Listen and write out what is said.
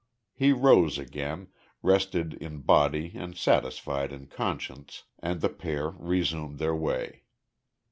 He rose again, rested in body and satisfied in conscience, and the pair resumed their way.